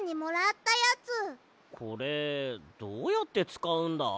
これどうやってつかうんだ？